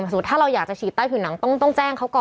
สมมุติถ้าเราอยากจะฉีดใต้ผิวหนังต้องแจ้งเขาก่อน